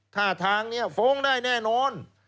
ถ้าทางฟ้องได้แน่นอน